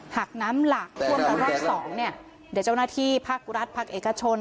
หากน้ำหลากท่วมกันรอบสองเนี่ยเดี๋ยวเจ้าหน้าที่ภาครัฐภาคเอกชน